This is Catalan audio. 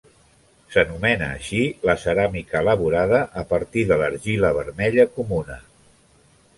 S'anomena així la ceràmica elaborada a partir de l'argila vermella comuna.